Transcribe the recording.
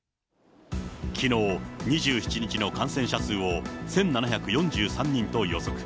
きのう２７日の感染者数を、１７４３人と予測。